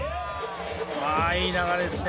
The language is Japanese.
あいい流れですね。